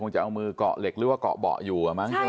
จะเอามือกล่อเหล็กหรือว่ากล่อเบาะอยู่อ่ะมั้งใช่ไหม